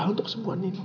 untuk sembuhan nino